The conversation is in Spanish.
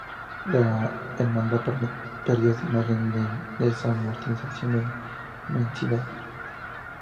La hermandad perdió esta imagen en la desamortización de Mendizábal.